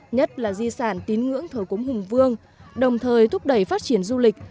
nhất là di sản tín ngưỡng thờ cúng hùng vương đồng thời thúc đẩy phát triển du lịch